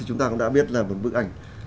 chúng ta cũng đã biết là bức ảnh